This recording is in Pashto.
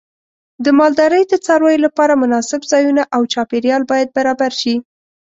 د مالدارۍ د څارویو لپاره مناسب ځایونه او چاپیریال باید برابر شي.